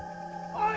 ・おい！